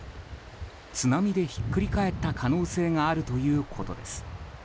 津波でひっくり返った可能性があるということです。